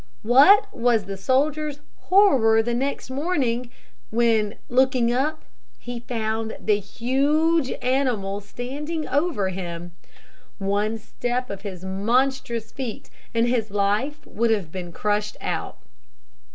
What was the soldier's horror next morning, when, looking up, he found the huge animal standing over him! One step of his monstrous feet, and his life would have been crushed out.